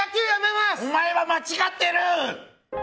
お前は間違ってる！